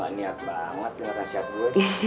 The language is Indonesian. banyak banget ini makasih ya bu